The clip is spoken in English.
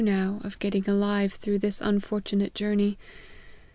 171 now, of getting alive through this unfortunate jour ney.